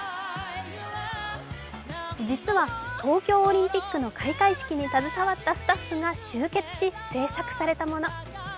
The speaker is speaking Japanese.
実は東京オリンピックの開会式に携わったスタッフが集結し制作されたもの。